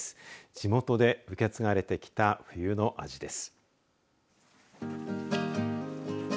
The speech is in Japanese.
地元で受け継がれてきた冬の味です。